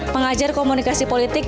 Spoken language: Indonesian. pengajar komunikasi politik